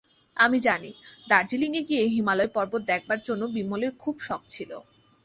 আমি জানি দার্জিলিঙে গিয়ে হিমালয় পর্বত দেখবার জন্যে বিমলের খুব শখ ছিল।